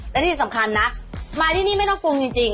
และที่สำคัญนะมาที่นี่ไม่ต้องปรุงจริง